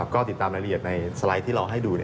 ก็ติดตามรายละเอียดในสไลด์ที่เราให้ดู